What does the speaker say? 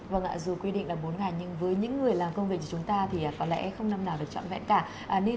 vâng ạ dù quy định là bốn ngày nhưng với những người làm công việc của chúng ta thì có lẽ không năm nào được trọn vẹn cả